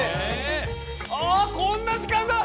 ああこんな時間だ！